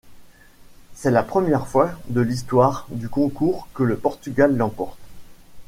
C'est la première fois de l'histoire du Concours que le Portugal l'emporte.